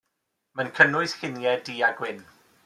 Mae'n cynnwys lluniau du a gwyn.